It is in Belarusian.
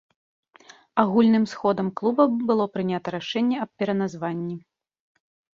Агульным сходам клуба было прынята рашэнне аб пераназванні.